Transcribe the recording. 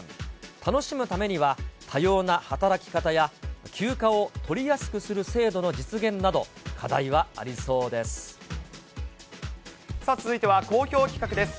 楽しむためには、多様な働き方や、休暇を取りやすくする制度の実現など、さあ、続いては好評企画です。